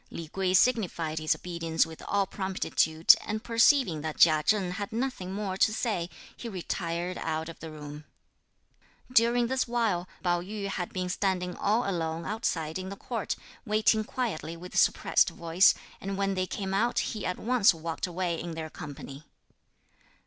Li Kuei signified his obedience with all promptitude, and perceiving that Chia Cheng had nothing more to say, he retired out of the room. During this while, Pao yü had been standing all alone outside in the court, waiting quietly with suppressed voice, and when they came out he at once walked away in their company.